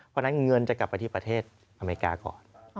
เพราะฉะนั้นเงินจะกลับไปที่ประเทศอเมริกาก่อน